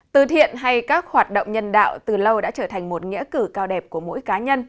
từ thiện hay các hoạt động nhân đạo từ lâu đã trở thành một ngành